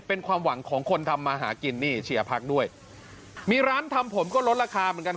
เป็นความหวังของคนทำมาหากินนี่เชียร์พักด้วยมีร้านทำผมก็ลดราคาเหมือนกัน